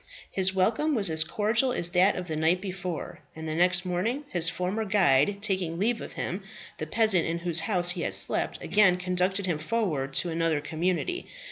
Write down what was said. His welcome was as cordial as that of the night before; and the next morning, his former guide taking leave of him, the peasant in whose house he had slept, again conducted him forward to another community.